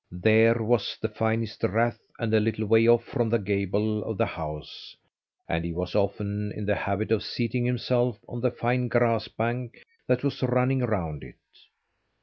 There was the finest rath a little way off from the gable of the house, and he was often in the habit of seating himself on the fine grass bank that was running round it.